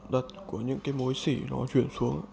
đặt của những cái mối xỉ nó chuyển xuống